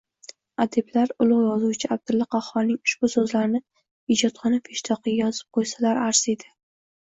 Adiblar ulug’ yozuvchi Abdulla Qahhorning ushbu so’zlarini ijodxona peshtoqiga yozib qo’ysalar arziydi.